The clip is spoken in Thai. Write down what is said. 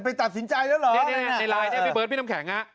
ไปตัดสินใจแล้วเหรอมันนะพี่เบิศพี่น้ำแข็ง